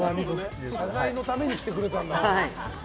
謝罪のために来てくれたんだ。